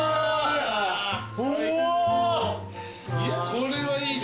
これはいいね。